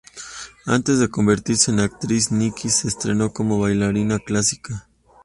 Antes de convertirse en actriz Nikki se entrenó como bailarina clásica.